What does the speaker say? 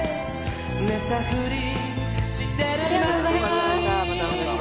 ありがとうございます。